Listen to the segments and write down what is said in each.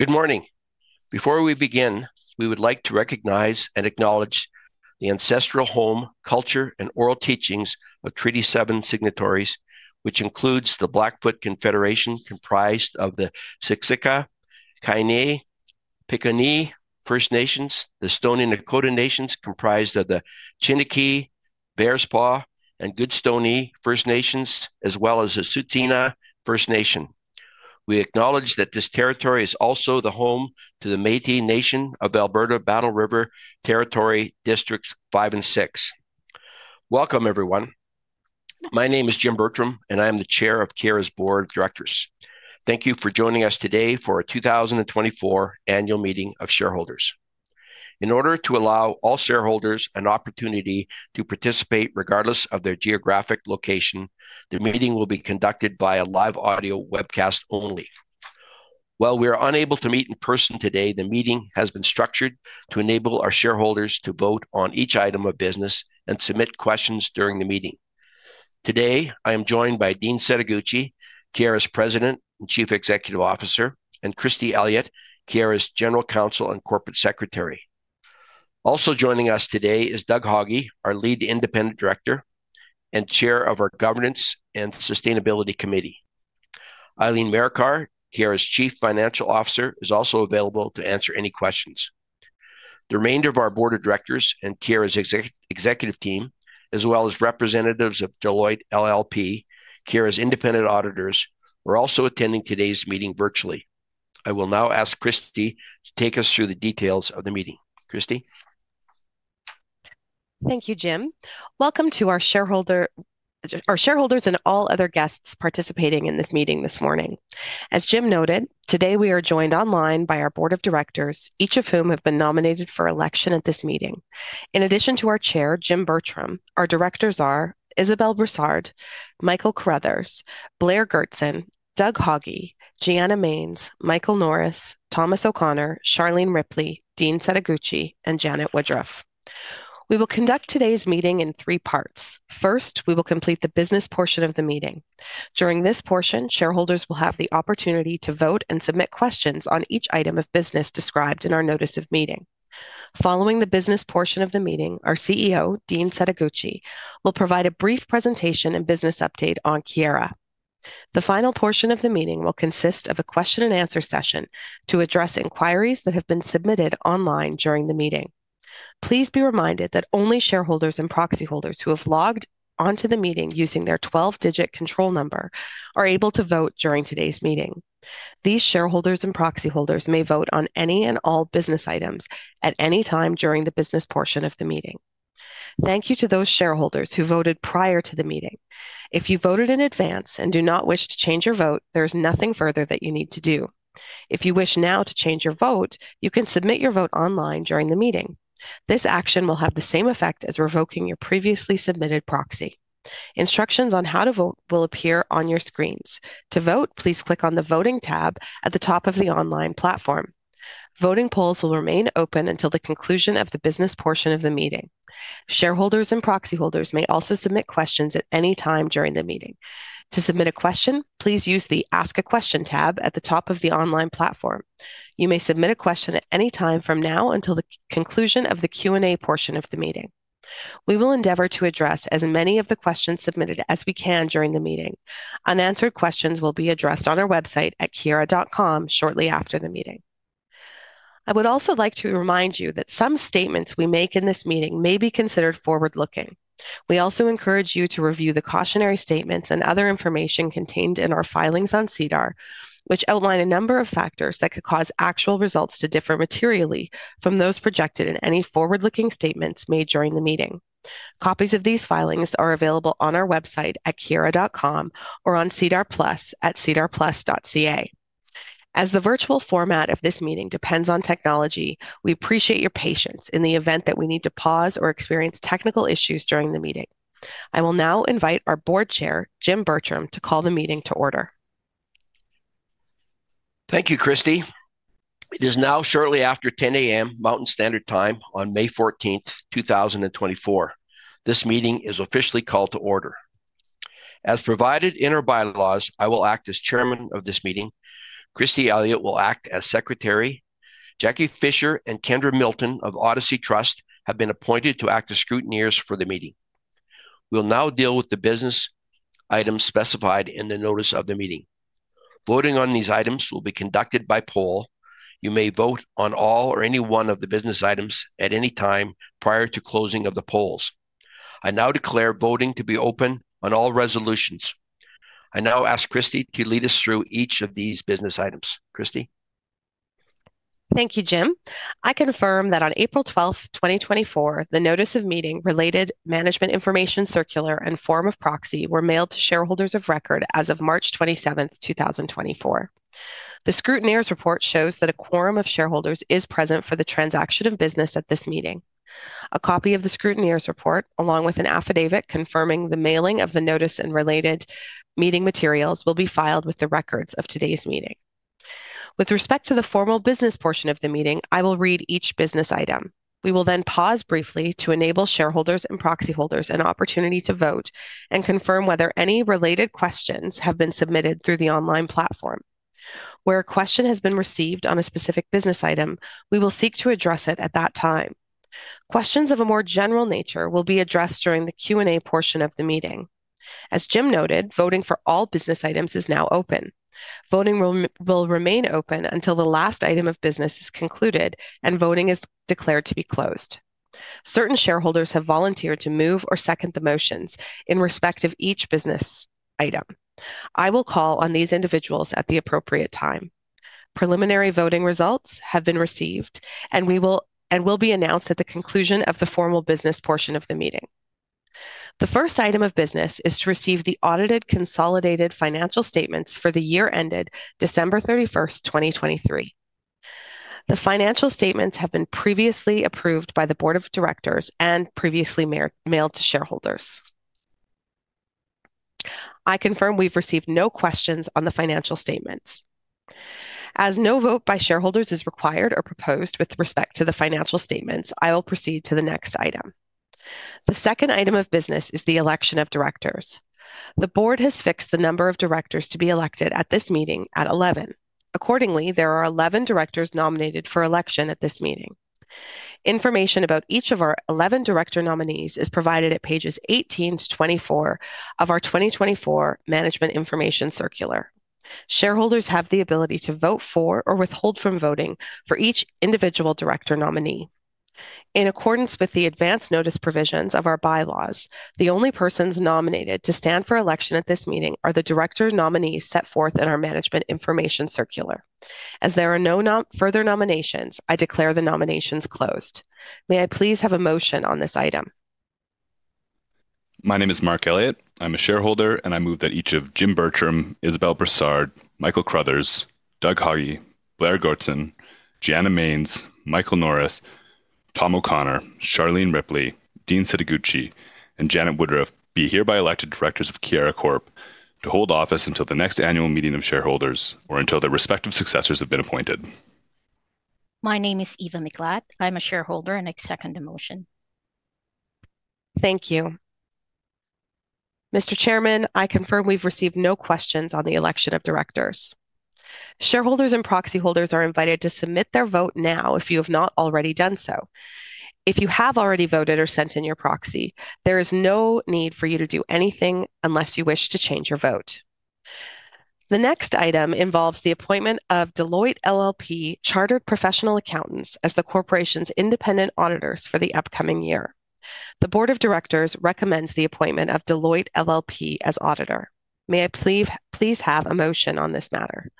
Good morning. Before we begin, we would like to recognize and acknowledge the ancestral home, culture, and oral teachings of Treaty 7 signatories, which includes the Blackfoot Confederacy comprised of the Siksika, Kainai, Piikani First Nations, the Stoney Nakoda Nations comprised of the Chiniki, Bearspaw, and Goodstoney First Nations, as well as the Tsuut'ina First Nation. We acknowledge that this territory is also the home to the Métis Nation of Alberta Battle River Territory Districts 5 and 6. Welcome, everyone. My name is Jim Bertram, and I am the Chair of Keyera's Board of Directors. Thank you for joining us today for our 2024 annual meeting of shareholders. In order to allow all shareholders an opportunity to participate regardless of their geographic location, the meeting will be conducted via live audio webcast only. While we are unable to meet in person today, the meeting has been structured to enable our shareholders to vote on each item of business and submit questions during the meeting. Today I am joined by Dean Setoguchi, Keyera's President and Chief Executive Officer, and Christy Elliott, Keyera's General Counsel and Corporate Secretary. Also joining us today is Doug Haughey, our Lead Independent Director and Chair of our Governance and Sustainability Committee. Eileen Marikar, Keyera's Chief Financial Officer, is also available to answer any questions. The remainder of our Board of Directors and Keyera's executive team, as well as representatives of Deloitte LLP, Keyera's independent auditors, are also attending today's meeting virtually. I will now ask Christy to take us through the details of the meeting. Christy? Thank you, Jim. Welcome to our shareholders and all other guests participating in this meeting this morning. As Jim noted, today we are joined online by our Board of Directors, each of whom have been nominated for election at this meeting. In addition to our Chair, Jim Bertram, our directors are Isabelle Brassard, Michael Crothers, Blair Goertzen, Doug Haughey, Gianna Manes, Michael Norris, Thomas O'Connor, Charlene Ripley, Dean Setoguchi, and Janet Woodruff. We will conduct today's meeting in three parts. First, we will complete the business portion of the meeting. During this portion, shareholders will have the opportunity to vote and submit questions on each item of business described in our Notice of Meeting. Following the business portion of the meeting, our CEO, Dean Setoguchi, will provide a brief presentation and business update on Keyera. The final portion of the meeting will consist of a question-and-answer session to address inquiries that have been submitted online during the meeting. Please be reminded that only shareholders and proxyholders who have logged onto the meeting using their 12-digit control number are able to vote during today's meeting. These shareholders and proxyholders may vote on any and all business items at any time during the business portion of the meeting. Thank you to those shareholders who voted prior to the meeting. If you voted in advance and do not wish to change your vote, there is nothing further that you need to do. If you wish now to change your vote, you can submit your vote online during the meeting. This action will have the same effect as revoking your previously submitted proxy. Instructions on how to vote will appear on your screens. To vote, please click on the Voting tab at the top of the online platform. Voting polls will remain open until the conclusion of the business portion of the meeting. Shareholders and proxyholders may also submit questions at any time during the meeting. To submit a question, please use the Ask a Question tab at the top of the online platform. You may submit a question at any time from now until the conclusion of the Q&A portion of the meeting. We will endeavor to address as many of the questions submitted as we can during the meeting. Unanswered questions will be addressed on our website at keyera.com shortly after the meeting. I would also like to remind you that some statements we make in this meeting may be considered forward-looking. We also encourage you to review the cautionary statements and other information contained in our filings on SEDAR+, which outline a number of factors that could cause actual results to differ materially from those projected in any forward-looking statements made during the meeting. Copies of these filings are available on our website at keyera.com or on SEDAR+ at sedarplus.ca. As the virtual format of this meeting depends on technology, we appreciate your patience in the event that we need to pause or experience technical issues during the meeting. I will now invite our Board Chair, Jim Bertram, to call the meeting to order. Thank you, Christy. It is now shortly after 10:00 A.M. Mountain Standard Time on May 14th 2024. This meeting is officially called to order. As provided in our bylaws, I will act as Chairman of this meeting. Christy Elliott will act as Secretary. Jackie Fisher and Kendra Milton of Odyssey Trust have been appointed to act as scrutineers for the meeting. We will now deal with the business items specified in the notice of the meeting. Voting on these items will be conducted by poll. You may vote on all or any one of the business items at any time prior to closing of the polls. I now declare voting to be open on all resolutions. I now ask Christy to lead us through each of these business items. Christy? Thank you, Jim. I confirm that on April 12th 2024, the notice of meeting, related Management Information Circular, and Form of proxy were mailed to shareholders of record as of March 27th 2024. The scrutineer's report shows that a quorum of shareholders is present for the transaction of business at this meeting. A copy of the scrutineer's report, along with an affidavit confirming the mailing of the notice and related meeting materials, will be filed with the records of today's meeting. With respect to the formal business portion of the meeting, I will read each business item. We will then pause briefly to enable shareholders and proxyholders an opportunity to vote and confirm whether any related questions have been submitted through the online platform. Where a question has been received on a specific business item, we will seek to address it at that time. Questions of a more general nature will be addressed during the Q&A portion of the meeting. As Jim noted, voting for all business items is now open. Voting will remain open until the last item of business is concluded and voting is declared to be closed. Certain shareholders have volunteered to move or second the motions in respect of each business item. I will call on these individuals at the appropriate time. Preliminary voting results have been received and will be announced at the conclusion of the formal business portion of the meeting. The first item of business is to receive the audited consolidated financial statements for the year ended December 31st 2023. The financial statements have been previously approved by the Board of Directors and previously mailed to shareholders. I confirm we've received no questions on the financial statements. As no vote by shareholders is required or proposed with respect to the financial statements, I will proceed to the next item. The second item of business is the election of directors. The Board has fixed the number of directors to be elected at this meeting at 11. Accordingly, there are 11 directors nominated for election at this meeting. Information about each of our 11 director nominees is provided at pages 18-24 of our 2024 Management Information Circular. Shareholders have the ability to vote for or withhold from voting for each individual director nominee. In accordance with the advance notice provisions of our bylaws, the only persons nominated to stand for election at this meeting are the director nominees set forth in our management information circular. As there are no further nominations, I declare the nominations closed. May I please have a motion on this item? My name is Mark Elliott. I'm a shareholder, and I move that each of Jim Bertram, Isabelle Brassard, Michael Crothers, Doug Haughey, Blair Goertzen, Gianna Manes, Michael Norris, Tom O'Connor, Charlene Ripley, Dean Setoguchi, and Janet Woodruff be hereby elected directors of Keyera Corp to hold office until the next annual meeting of shareholders or until their respective successors have been appointed. My name is Eva McLatt. I'm a shareholder, and I second the motion. Thank you. Mr. Chairman, I confirm we've received no questions on the election of directors. Shareholders and proxyholders are invited to submit their vote now if you have not already done so. If you have already voted or sent in your proxy, there is no need for you to do anything unless you wish to change your vote. The next item involves the appointment of Deloitte LLP Chartered Professional Accountants as the corporation's independent auditors for the upcoming year. The Board of Directors recommends the appointment of Deloitte LLP as auditor. May I please have a motion on this matter?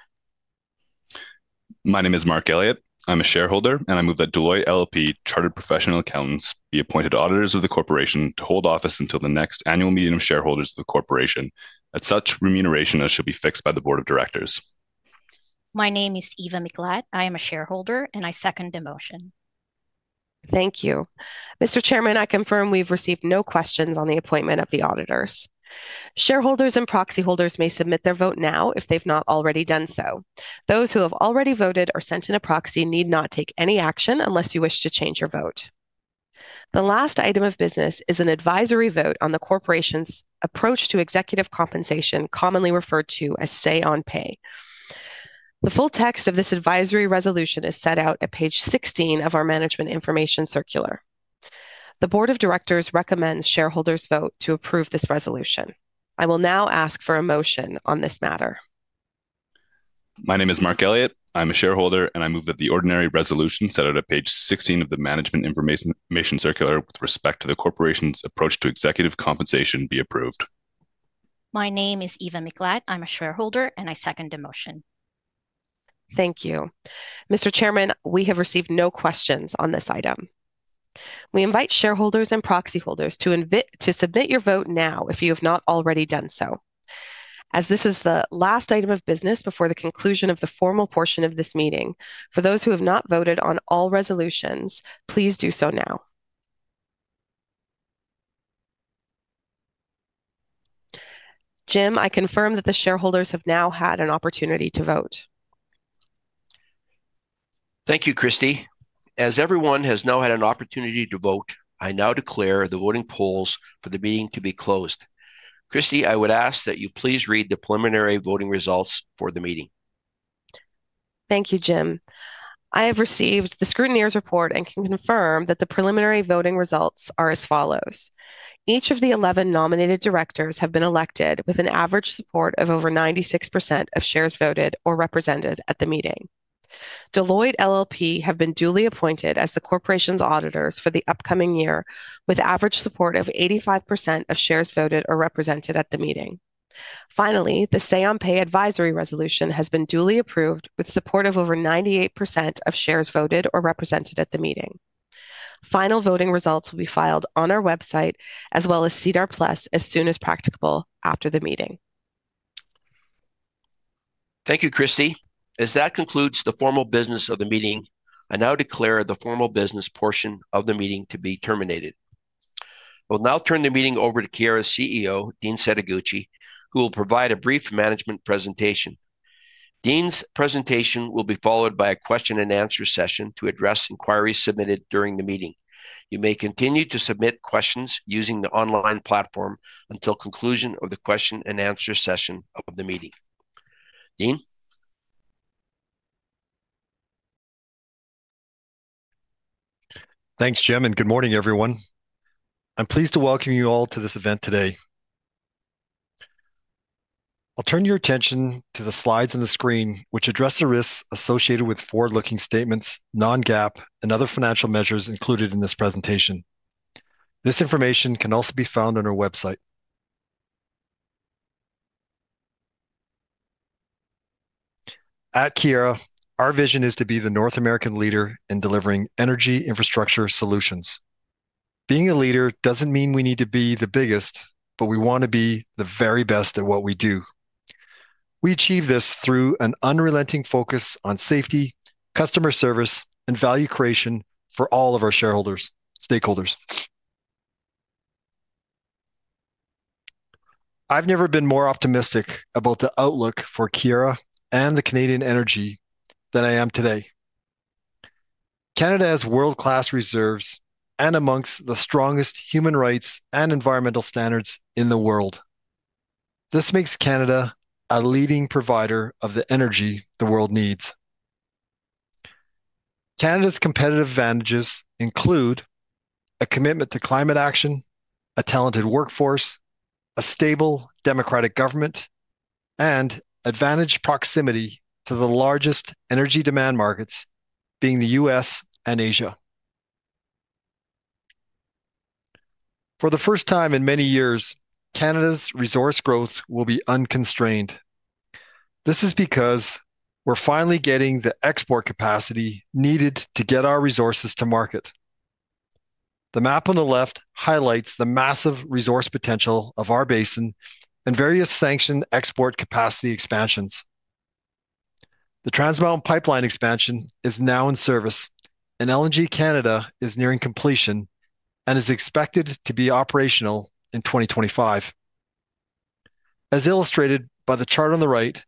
My name is Mark Elliott. I'm a shareholder, and I move that Deloitte LLP Chartered Professional Accountants be appointed auditors of the corporation to hold office until the next annual meeting of shareholders of the corporation at such remuneration as should be fixed by the Board of Directors. My name is Eva McLatt. I am a shareholder, and I second the motion. Thank you. Mr. Chairman, I confirm we've received no questions on the appointment of the auditors. Shareholders and proxyholders may submit their vote now if they've not already done so. Those who have already voted or sent in a proxy need not take any action unless you wish to change your vote. The last item of business is an advisory vote on the corporation's approach to executive compensation, commonly referred to as say-on-pay. The full text of this advisory resolution is set out at page 16 of our management information circular. The Board of Directors recommends shareholders vote to approve this resolution. I will now ask for a motion on this matter. My name is Mark Elliott. I'm a shareholder, and I move that the ordinary resolution set out at page 16 of the management information circular with respect to the corporation's approach to executive compensation be approved. My name is Eva McLatt. I'm a shareholder, and I second the motion. Thank you. Mr. Chairman, we have received no questions on this item. We invite shareholders and proxyholders to submit your vote now if you have not already done so. As this is the last item of business before the conclusion of the formal portion of this meeting, for those who have not voted on all resolutions, please do so now. Jim, I confirm that the shareholders have now had an opportunity to vote. Thank you, Christy. As everyone has now had an opportunity to vote, I now declare the voting polls for the meeting to be closed. Christy, I would ask that you please read the preliminary voting results for the meeting. Thank you, Jim. I have received the scrutineer's report and can confirm that the preliminary voting results are as follows. Each of the 11 nominated directors have been elected with an average support of over 96% of shares voted or represented at the meeting. Deloitte LLP have been duly appointed as the corporation's auditors for the upcoming year with average support of 85% of shares voted or represented at the meeting. Finally, the Say-on-pay advisory resolution has been duly approved with support of over 98% of shares voted or represented at the meeting. Final voting results will be filed on our website as well as SEDAR+ as soon as practicable after the meeting. Thank you, Christy. As that concludes the formal business of the meeting, I now declare the formal business portion of the meeting to be terminated. I will now turn the meeting over to Keyera's CEO, Dean Setoguchi, who will provide a brief management presentation. Dean's presentation will be followed by a question-and-answer session to address inquiries submitted during the meeting. You may continue to submit questions using the online platform until conclusion of the question-and-answer session of the meeting. Dean? Thanks, Jim, and good morning, everyone. I'm pleased to welcome you all to this event today. I'll turn your attention to the slides on the screen, which address the risks associated with forward-looking statements, non-GAAP, and other financial measures included in this presentation. This information can also be found on our website. At Keyera, our vision is to be the North American leader in delivering energy infrastructure solutions. Being a leader doesn't mean we need to be the biggest, but we want to be the very best at what we do. We achieve this through an unrelenting focus on safety, customer service, and value creation for all of our shareholders, stakeholders. I've never been more optimistic about the outlook for Keyera and the Canadian energy than I am today. Canada has world-class reserves and among the strongest human rights and environmental standards in the world. This makes Canada a leading provider of the energy the world needs. Canada's competitive advantages include a commitment to climate action, a talented workforce, a stable democratic government, and advantaged proximity to the largest energy demand markets, being the U.S. and Asia. For the first time in many years, Canada's resource growth will be unconstrained. This is because we're finally getting the export capacity needed to get our resources to market. The map on the left highlights the massive resource potential of our basin and various sanctioned export capacity expansions. The Trans Mountain Pipeline expansion is now in service, and LNG Canada is nearing completion and is expected to be operational in 2025. As illustrated by the chart on the right,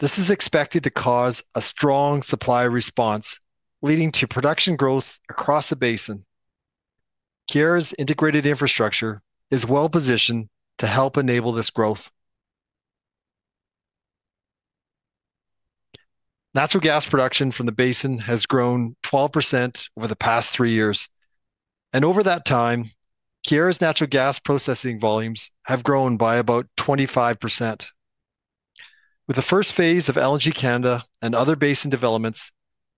this is expected to cause a strong supply response leading to production growth across the basin. Keyera's integrated infrastructure is well-positioned to help enable this growth. Natural gas production from the basin has grown 12% over the past three years, and over that time, Keyera's natural gas processing volumes have grown by about 25%. With the first phase of LNG Canada and other basin developments,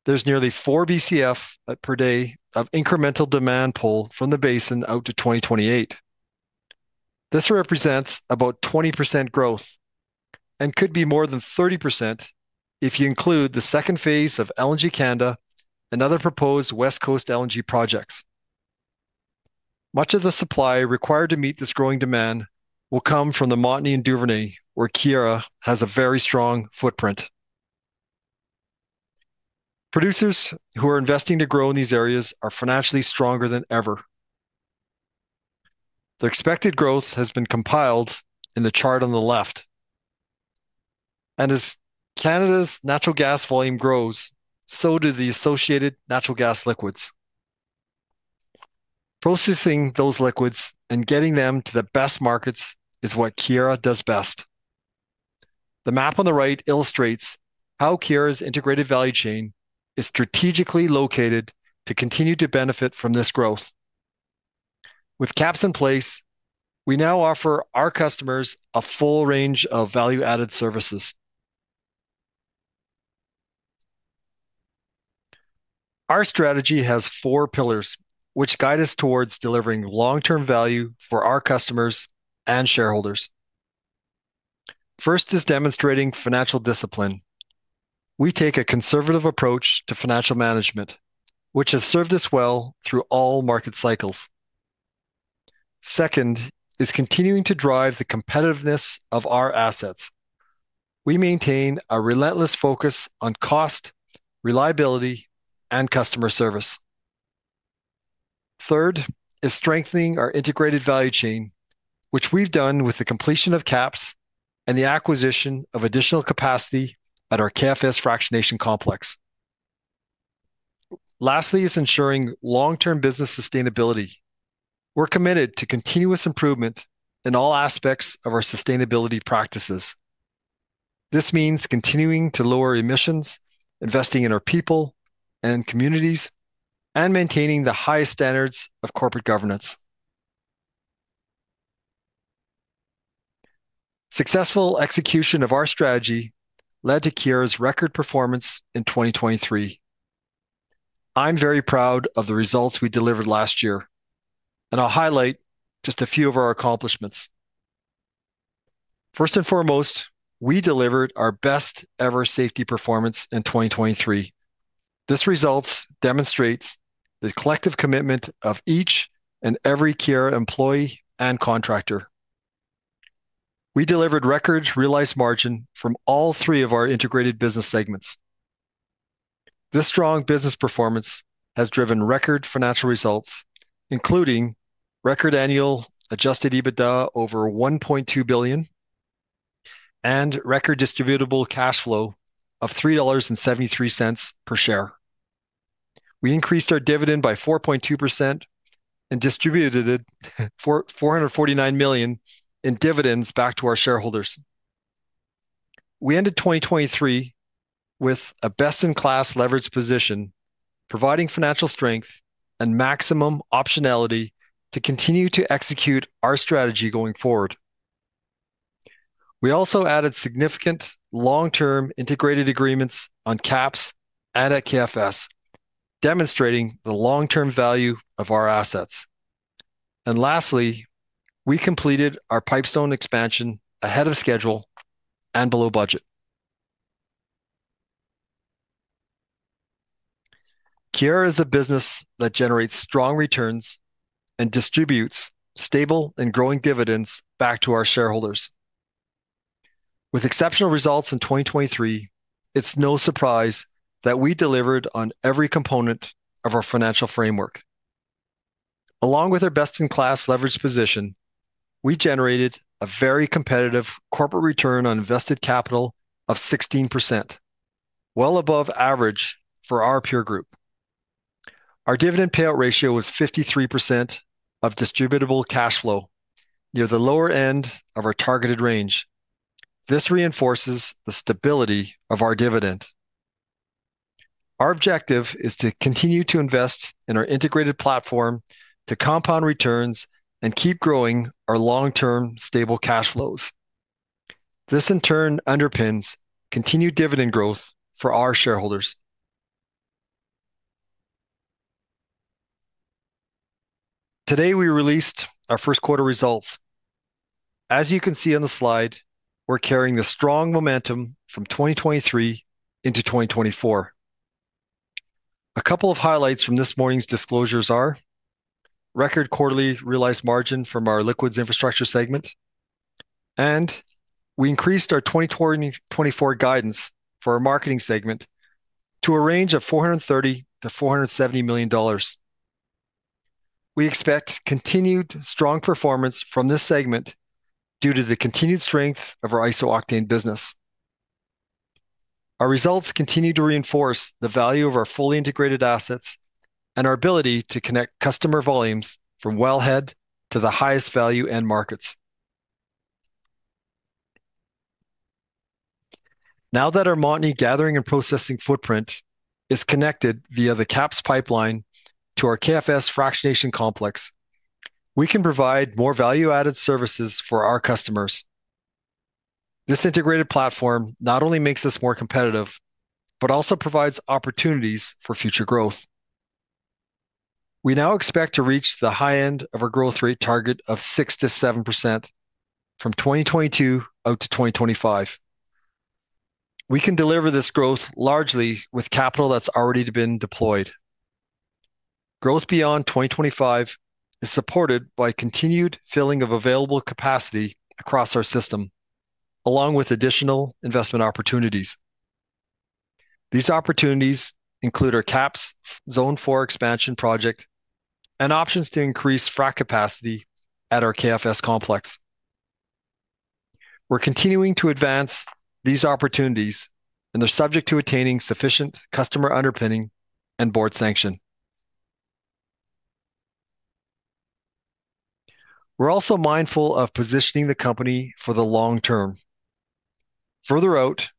there's nearly 4 Bcf per day of incremental demand pull from the basin out to 2028. This represents about 20% growth and could be more than 30% if you include the second phase of LNG Canada and other proposed West Coast LNG projects. Much of the supply required to meet this growing demand will come from the Montney and Duvernay, where Keyera has a very strong footprint. Producers who are investing to grow in these areas are financially stronger than ever. The expected growth has been compiled in the chart on the left, and as Canada's natural gas volume grows, so do the associated natural gas liquids. Processing those liquids and getting them to the best markets is what Keyera does best. The map on the right illustrates how Keyera's integrated value chain is strategically located to continue to benefit from this growth. With KAPS in place, we now offer our customers a full range of value-added services. Our strategy has four pillars, which guide us towards delivering long-term value for our customers and shareholders. First is demonstrating financial discipline. We take a conservative approach to financial management, which has served us well through all market cycles. Second is continuing to drive the competitiveness of our assets. We maintain a relentless focus on cost, reliability, and customer service. Third is strengthening our integrated value chain, which we've done with the completion of KAPS and the acquisition of additional capacity at our KFS fractionation complex. Lastly is ensuring long-term business sustainability. We're committed to continuous improvement in all aspects of our sustainability practices. This means continuing to lower emissions, investing in our people and communities, and maintaining the highest standards of corporate governance. Successful execution of our strategy led to Keyera's record performance in 2023. I'm very proud of the results we delivered last year, and I'll highlight just a few of our accomplishments. First and foremost, we delivered our best-ever safety performance in 2023. This result demonstrates the collective commitment of each and every Keyera employee and contractor. We delivered record realized margin from all three of our integrated business segments. This strong business performance has driven record financial results, including record annual Adjusted EBITDA over 1.2 billion and record Distributable Cash Flow of 3.73 dollars per share. We increased our dividend by 4.2% and distributed 449 million in dividends back to our shareholders. We ended 2023 with a best-in-class leveraged position, providing financial strength and maximum optionality to continue to execute our strategy going forward. We also added significant long-term integrated agreements on KAPS and at KFS, demonstrating the long-term value of our assets. Lastly, we completed our Pipestone expansion ahead of schedule and below budget. Keyera is a business that generates strong returns and distributes stable and growing dividends back to our shareholders. With exceptional results in 2023, it's no surprise that we delivered on every component of our financial framework. Along with our best-in-class leveraged position, we generated a very competitive corporate return on invested capital of 16%, well above average for our peer group. Our dividend payout ratio was 53% of distributable cash flow, near the lower end of our targeted range. This reinforces the stability of our dividend. Our objective is to continue to invest in our integrated platform to compound returns and keep growing our long-term stable cash flows. This, in turn, underpins continued dividend growth for our shareholders. Today, we released our first quarter results. As you can see on the slide, we're carrying the strong momentum from 2023 into 2024. A couple of highlights from this morning's disclosures are record quarterly realized margin from our Liquids Infrastructure segment, and we increased our 2024 guidance for our Marketing segment to a range of 430 million-470 million dollars. We expect continued strong performance from this segment due to the continued strength of our iso-octane business. Our results continue to reinforce the value of our fully integrated assets and our ability to connect customer volumes from well-head to the highest value-end markets. Now that our Montney gathering and processing footprint is connected via the KAPS pipeline to our KFS fractionation complex, we can provide more value-added services for our customers. This integrated platform not only makes us more competitive but also provides opportunities for future growth. We now expect to reach the high end of our growth rate target of 6%-7% from 2022 out to 2025. We can deliver this growth largely with capital that's already been deployed. Growth beyond 2025 is supported by continued filling of available capacity across our system, along with additional investment opportunities. These opportunities include our KAPS Zone 4 expansion project and options to increase frac capacity at our KFS complex. We're continuing to advance these opportunities, and they're subject to attaining sufficient customer underpinning and board sanction. We're also mindful of positioning the company for the long term. Further out,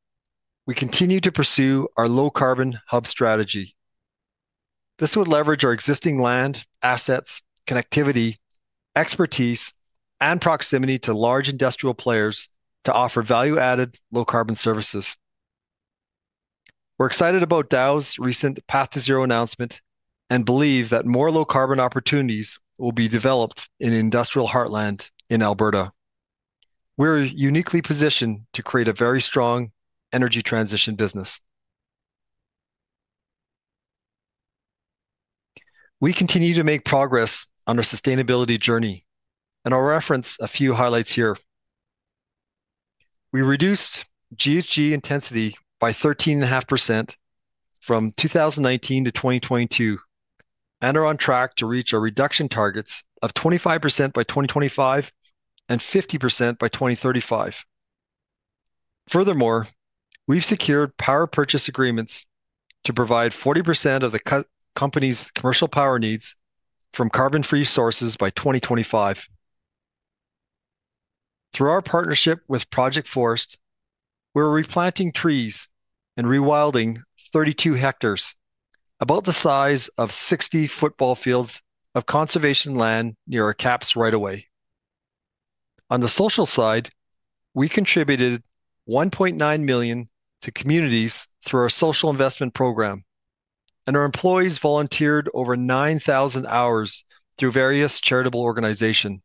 we continue to pursue our low-carbon hub strategy. This would leverage our existing land, assets, connectivity, expertise, and proximity to large industrial players to offer value-added low-carbon services. We're excited about Dow's recent Path to Zero announcement and believe that more low-carbon opportunities will be developed in Industrial Heartland in Alberta. We're uniquely positioned to create a very strong energy transition business. We continue to make progress on our sustainability journey, and I'll reference a few highlights here. We reduced GHG intensity by 13.5% from 2019 to 2022 and are on track to reach our reduction targets of 25% by 2025 and 50% by 2035. Furthermore, we've secured power purchase agreements to provide 40% of the company's commercial power needs from carbon-free sources by 2025. Through our partnership with Project Forest, we're replanting trees and rewilding 32 hectares, about the size of 60 football fields of conservation land near our KAPS right away. On the social side, we contributed 1.9 million to communities through our social investment program, and our employees volunteered over 9,000 hours through various charitable organizations.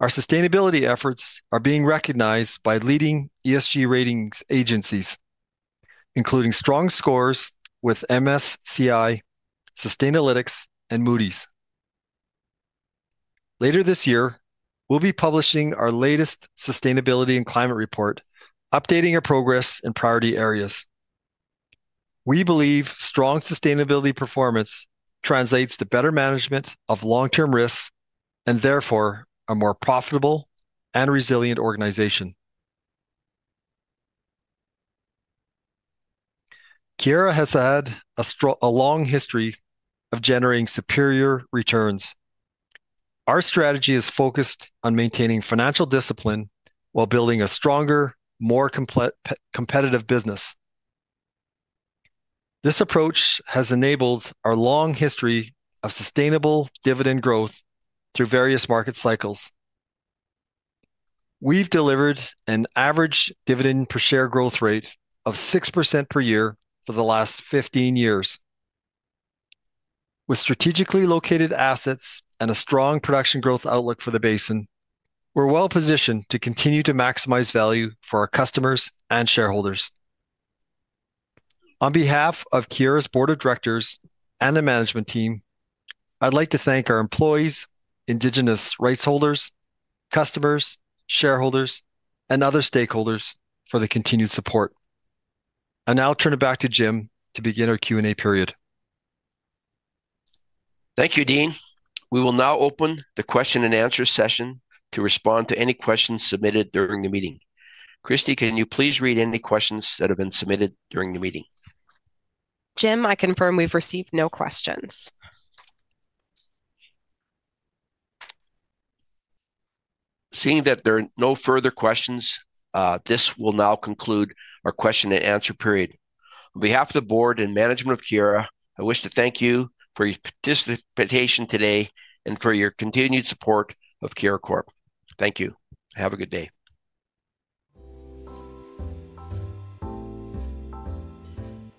Our sustainability efforts are being recognized by leading ESG ratings agencies, including strong scores with MSCI, Sustainalytics, and Moody's. Later this year, we'll be publishing our latest sustainability and climate report, updating our progress in priority areas. We believe strong sustainability performance translates to better management of long-term risks and, therefore, a more profitable and resilient organization. Keyera has had a long history of generating superior returns. Our strategy is focused on maintaining financial discipline while building a stronger, more competitive business. This approach has enabled our long history of sustainable dividend growth through various market cycles. We've delivered an average dividend per share growth rate of 6% per year for the last 15 years. With strategically located assets and a strong production growth outlook for the basin, we're well-positioned to continue to maximize value for our customers and shareholders. On behalf of Keyera's board of directors and the management team, I'd like to thank our employees, Indigenous rights holders, customers, shareholders, and other stakeholders for the continued support. I'll now turn it back to Jim to begin our Q&A period. Thank you, Dean. We will now open the question and answer session to respond to any questions submitted during the meeting. Christy, can you please read any questions that have been submitted during the meeting? Jim, I confirm we've received no questions. Seeing that there are no further questions, this will now conclude our question and answer period. On behalf of the board and management of Keyera, I wish to thank you for your participation today and for your continued support of Keyera Corp. Thank you. Have a good day.